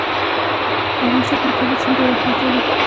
په افغانستان کې د کابل سیند ډېر اهمیت لري.